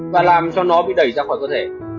và làm cho nó bị đẩy ra khỏi cơ thể